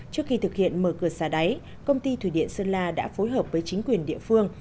trước khi thực hiện mở cửa xa đáy công ty thủy điện sơn la đã phối hợp với chính quyền địa phương